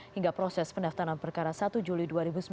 hingga proses pendaftaran perkara satu juli dua ribu sembilan belas